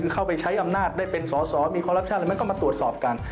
เข้าไปใช้อำนาจได้เป็นสอสอมีคอรัปชั่นอะไรมันก็มาตรวจสอบกัน